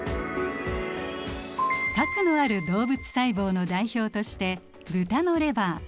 核のある動物細胞の代表として豚のレバー。